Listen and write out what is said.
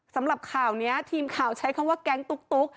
สำหรับข่าวนี้ทีมข่าวใช้คำว่าแก๊งตุ๊ก